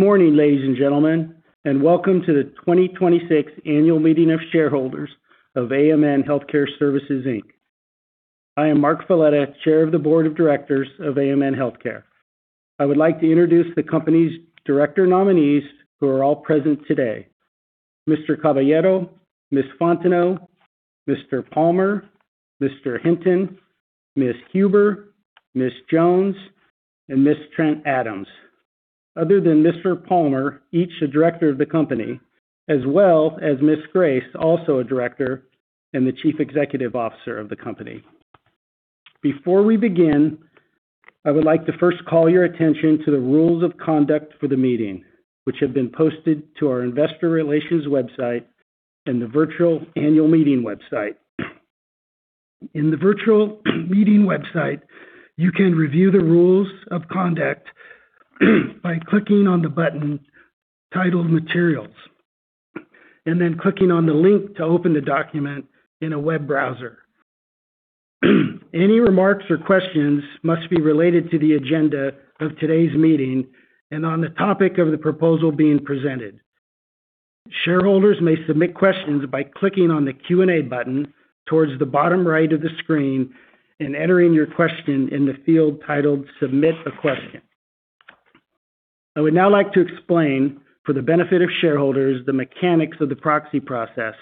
Morning, ladies and gentlemen, welcome to the 2026 annual meeting of shareholders of AMN Healthcare Services, Inc. I am Mark Foletta, Chair of the Board of Directors of AMN Healthcare. I would like to introduce the company's Director nominees who are all present today. Mr. Caballero, Ms. Fontenot, Mr. Palmer, Mr. Hinton, Ms. Huber, Ms. Jones, and Ms. Trent-Adams. Other than Mr. Palmer, each a Director of the company, as well as Ms. Grace, also a Director and the Chief Executive Officer of the company. Before we begin, I would like to first call your attention to the rules of conduct for the meeting, which have been posted to our investor relations website and the virtual annual meeting website. In the virtual meeting website, you can review the rules of conduct by clicking on the button titled Materials and then clicking on the link to open the document in a web browser. Any remarks or questions must be related to the agenda of today's meeting and on the topic of the proposal being presented. Shareholders may submit questions by clicking on the Q&A button towards the bottom right of the screen and entering your question in the field titled Submit a Question. I would now like to explain for the benefit of shareholders the mechanics of the proxy process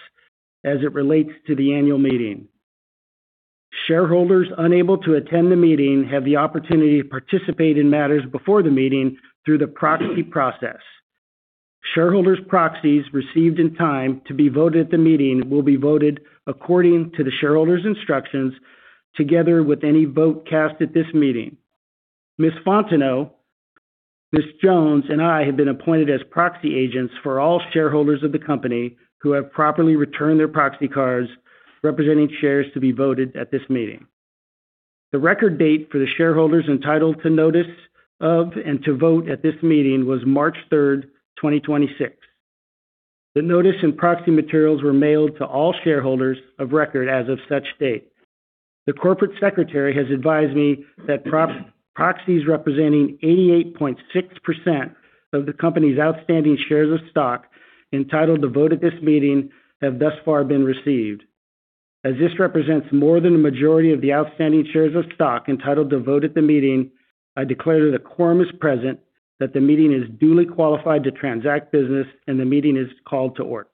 as it relates to the annual meeting. Shareholders unable to attend the meeting have the opportunity to participate in matters before the meeting through the proxy process. Shareholders' proxies received in time to be voted at the meeting will be voted according to the shareholder's instructions together with any vote cast at this meeting. Ms. Fontenot, Ms. Jones, and I have been appointed as proxy agents for all shareholders of the company who have properly returned their proxy cards representing shares to be voted at this meeting. The record date for the shareholders entitled to notice of and to vote at this meeting was March 3rd, 2026. The notice and proxy materials were mailed to all shareholders of record as of such date. The corporate secretary has advised me that proxies representing 88.6% of the company's outstanding shares of stock entitled to vote at this meeting have thus far been received. As this represents more than a majority of the outstanding shares of stock entitled to vote at the meeting, I declare that a quorum is present, that the meeting is duly qualified to transact business, and the meeting is called to order.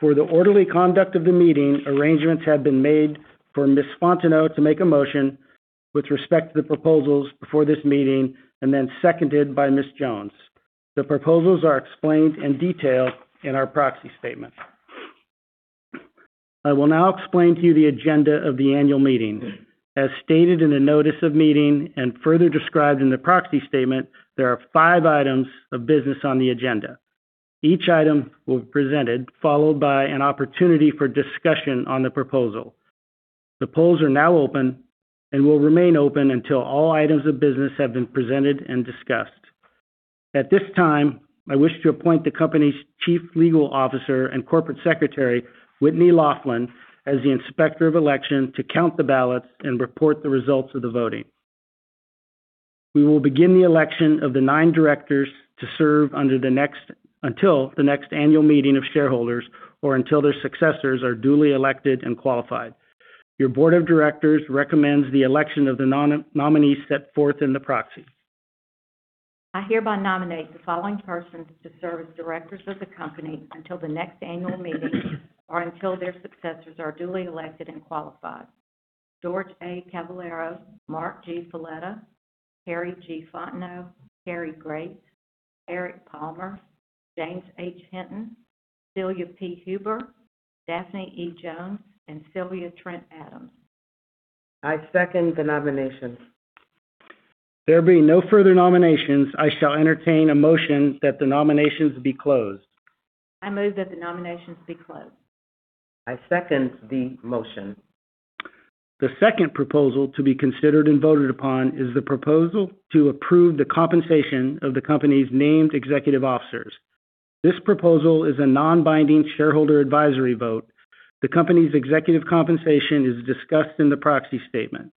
For the orderly conduct of the meeting, arrangements have been made for Ms. Fontenot to make a motion with respect to the proposals before this meeting and then seconded by Ms. Jones. The proposals are explained in detail in our proxy statement. I will now explain to you the agenda of the annual meeting. As stated in the notice of meeting and further described in the proxy statement, there are five items of business on the agenda. Each item will be presented, followed by an opportunity for discussion on the proposal. The polls are now open and will remain open until all items of business have been presented and discussed. At this time, I wish to appoint the company's Chief Legal Officer and Corporate Secretary, Whitney M. Laughlin, as the Inspector of Election to count the ballots and report the results of the voting. We will begin the election of the nine directors to serve until the next annual meeting of shareholders or until their successors are duly elected and qualified. Your board of directors recommends the election of the nominees set forth in the proxy. I hereby nominate the following persons to serve as directors of the company until the next annual meeting or until their successors are duly elected and qualified. Jorge A. Caballero, Mark G. Foletta, Teri G. Fontenot, Cary Grace, Eric Palmer, Jim Hinton, Celia P. Huber, Daphne E. Jones, and Sylvia Trent-Adams. I second the nominations. There being no further nominations, I shall entertain a motion that the nominations be closed. I move that the nominations be closed. I second the motion. The second proposal to be considered and voted upon is the proposal to approve the compensation of the company's named executive officers. This proposal is a non-binding shareholder advisory vote. The company's executive compensation is discussed in the proxy statement.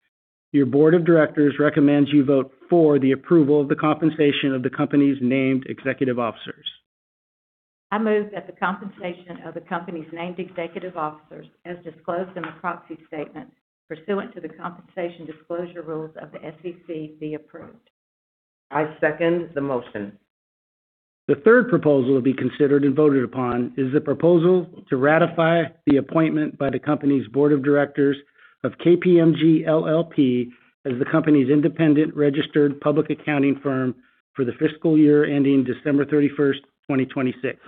Your board of directors recommends you vote for the approval of the compensation of the company's named executive officers. I move that the compensation of the company's named executive officers, as disclosed in the proxy statement pursuant to the compensation disclosure rules of the SEC, be approved. I second the motion. The third proposal to be considered and voted upon is the proposal to ratify the appointment by the company's board of directors of KPMG LLP as the company's independent registered public accounting firm for the fiscal year ending December 31st, 2026.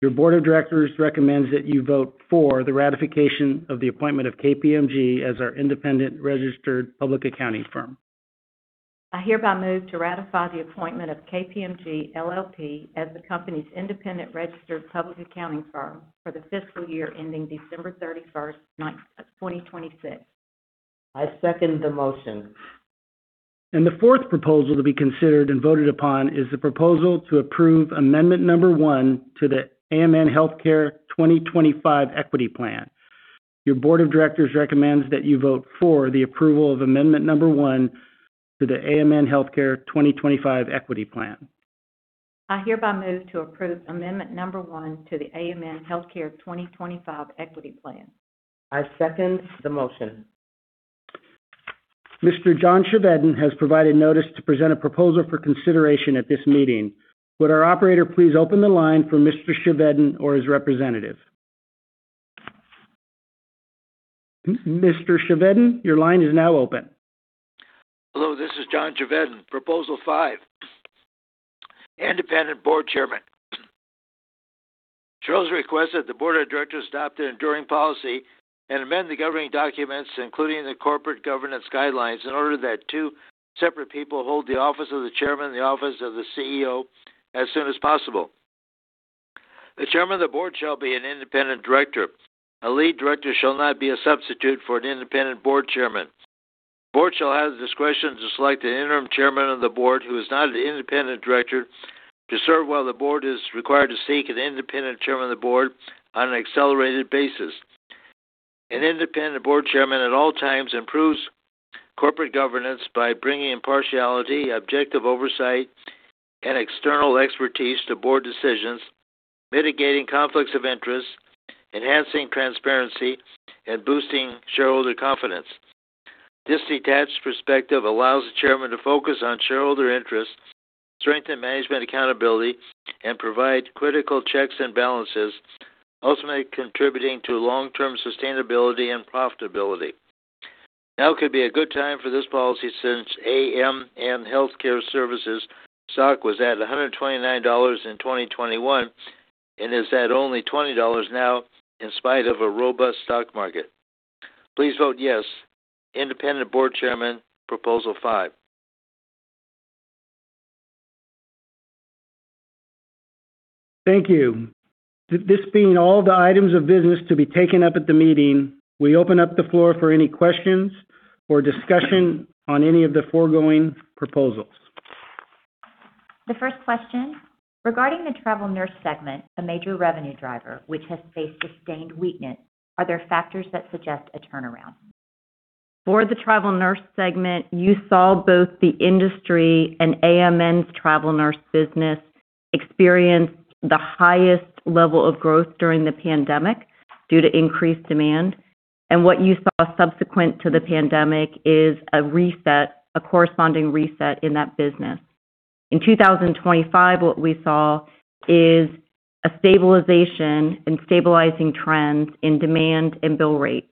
Your board of directors recommends that you vote for the ratification of the appointment of KPMG as our independent registered public accounting firm. I hereby move to ratify the appointment of KPMG LLP as the company's independent registered public accounting firm for the fiscal year ending December 31st, 2026. I second the motion. The fourth proposal to be considered and voted upon is the proposal to approve amendment Number 1 to the AMN Healthcare 2025 Equity Plan. Your board of directors recommends that you vote for the approval of amendment Number 1 to the AMN Healthcare 2025 Equity Plan. I hereby move to approve amendment Number 1 to the AMN Healthcare 2025 Equity Plan. I second the motion. Mr. John Cheveden has provided notice to present a proposal for consideration at this meeting. Would our operator please open the line for Mr. Cheveden or his representative? Mr. Cheveden, your line is now open. Hello, this is John Cheveden, Proposal 5, independent board chairman. Charles requested the board of directors adopt an enduring policy and amend the governing documents, including the corporate governance guidelines, in order that two separate people hold the office of the chairman and the office of the CEO as soon as possible. The chairman of the board shall be an independent director. A lead director shall not be a substitute for an independent board chairman. Board shall have the discretion to select an interim chairman of the board who is not an independent director to serve while the board is required to seek an independent chairman of the board on an accelerated basis. An independent board chairman at all times improves corporate governance by bringing impartiality, objective oversight, and external expertise to board decisions, mitigating conflicts of interest, enhancing transparency, and boosting shareholder confidence. This detached perspective allows the chairman to focus on shareholder interests, strengthen management accountability, and provide critical checks and balances, ultimately contributing to long-term sustainability and profitability. Now could be a good time for this policy since AMN Healthcare Services stock was at $129 in 2021 and is at only $20 now in spite of a robust stock market. Please vote yes. Independent board chairman, Proposal 5. Thank you. This being all the items of business to be taken up at the meeting, we open up the floor for any questions or discussion on any of the foregoing proposals. The first question: regarding the travel nurse segment, a major revenue driver, which has faced sustained weakness, are there factors that suggest a turnaround? For the travel nurse segment, you saw both the industry and AMN's travel nurse business experience the highest level of growth during the pandemic due to increased demand. What you saw subsequent to the pandemic is a reset, a corresponding reset in that business. In 2025, what we saw is a stabilization and stabilizing trends in demand and bill rate.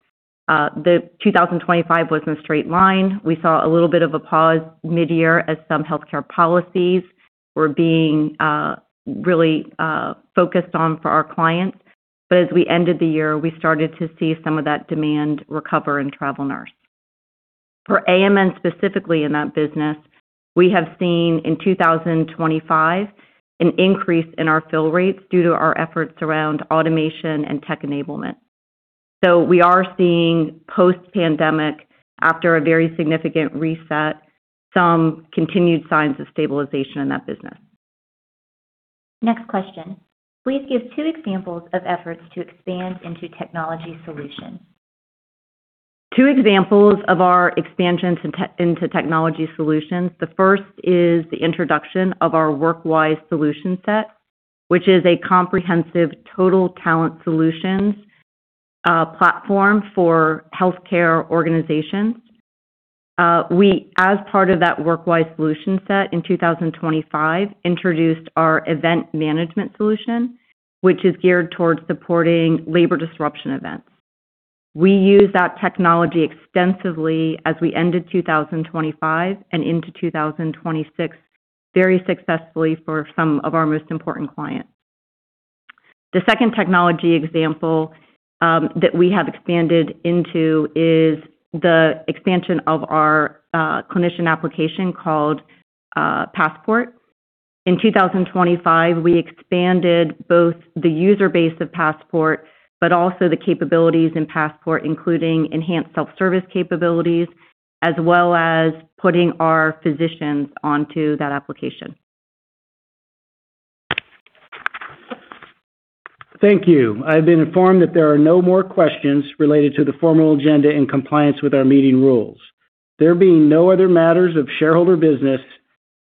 The 2025 wasn't a straight line. We saw a little bit of a pause mid-year as some healthcare policies were being really focused on for our clients. As we ended the year, we started to see some of that demand recover in travel nurse. For AMN, specifically in that business, we have seen in 2025 an increase in our fill rates due to our efforts around automation and tech enablement. We are seeing post-pandemic, after a very significant reset, some continued signs of stabilization in that business. Next question. Please give two examples of efforts to expand into technology solutions. Two examples of our expansion into technology solutions. The first is the introduction of our WorkWise solution set, which is a comprehensive total talent solutions platform for healthcare organizations. We, as part of that WorkWise solution set in 2025, introduced our event management solution, which is geared towards supporting labor disruption events. We used that technology extensively as we ended 2025 and into 2026 very successfully for some of our most important clients. The second technology example that we have expanded into is the expansion of our clinician application called Passport. In 2025, we expanded both the user base of Passport, but also the capabilities in Passport, including enhanced self-service capabilities, as well as putting our physicians onto that application. Thank you. I've been informed that there are no more questions related to the formal agenda in compliance with our meeting rules. There being no other matters of shareholder business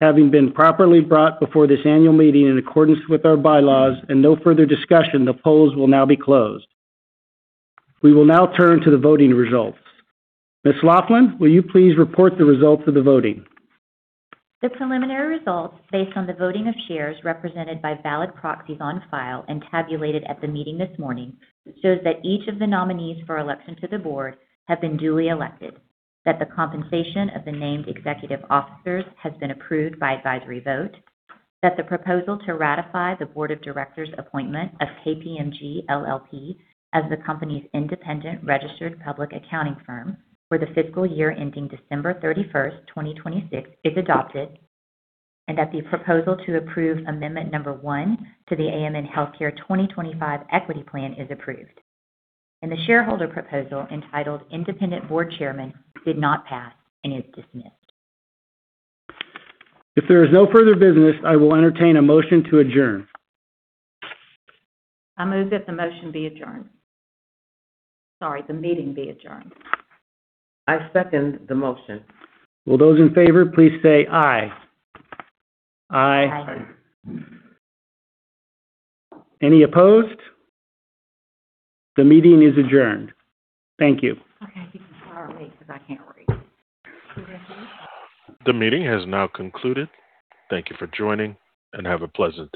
having been properly brought before this annual meeting in accordance with our bylaws and no further discussion, the polls will now be closed. We will now turn to the voting results. Ms. Laughlin, will you please report the results of the voting? The preliminary results, based on the voting of shares represented by valid proxies on file and tabulated at the meeting this morning, shows that each of the nominees for election to the board have been duly elected, that the compensation of the named executive officers has been approved by advisory vote, that the proposal to ratify the Board of Directors appointment of KPMG LLP as the company's independent registered public accounting firm for the fiscal year ending December 31st, 2026, is adopted, and that the proposal to approve amendment Number 1 to the AMN Healthcare 2025 Equity Plan is approved. The shareholder proposal entitled Independent Board Chairman did not pass and is dismissed. If there is no further business, I will entertain a motion to adjourn. I move that the motion be adjourned. Sorry, the meeting be adjourned. I second the motion. Will those in favor please say aye? Aye. Aye. Aye. Any opposed? The meeting is adjourned. Thank you. Okay, you can start me, 'cause I can't read. The meeting has now concluded. Thank you for joining, and have a pleasant day.